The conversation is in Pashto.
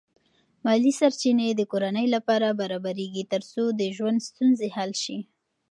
مالی سرچینې د کورنۍ لپاره برابرېږي ترڅو د ژوند ستونزې حل شي.